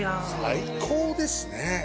最高ですね。